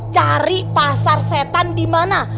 cari pasar setan di mana